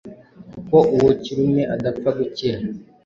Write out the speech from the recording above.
kuko uwo kirumye adapfa gukira